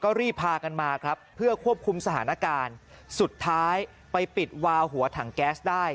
ก็รีบพากันมาครับเพื่อควบคุมสถานการณ์สุดท้ายไปปิดวาวหัวถังแก๊สได้